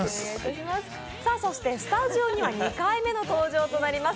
スタジオには２回目の登場となります